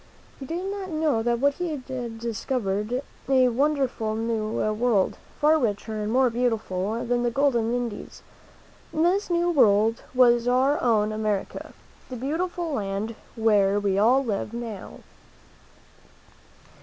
He did not know that he had discovered a wonderful new world, far richer and more beautiful than the golden Indies. This new world was our own America, the beautiful land where we all live now.